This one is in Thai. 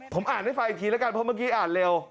ผมอ่านให้ฟังอีกทีแล้วกันเพราะเมื่อกี้อ่านเร็ว